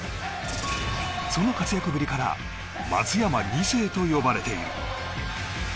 その活躍ぶりから松山２世と呼ばれている。